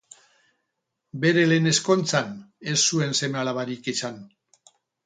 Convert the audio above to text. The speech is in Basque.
Bere lehen ezkontzan ez zuen seme-alabarik izan.